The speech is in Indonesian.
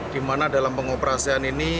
di mana dalam pengoperasian ini